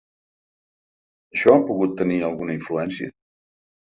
Això ha pogut tenir alguna influència?